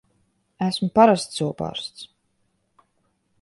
Esmu parasts zobārsts!